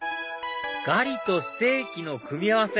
ガリとステーキの組み合わせ